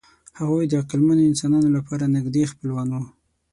هغوی د عقلمنو انسانانو لپاره نږدې خپلوان وو.